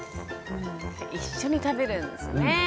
一緒に食べるんですね。